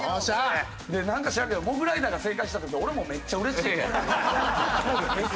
なんか知らんけどモグライダーが正解した時俺もめっちゃうれしいもん。